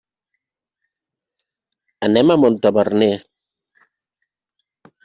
Anem a Montaverner.